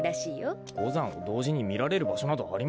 五山を同時に見られる場所などありません。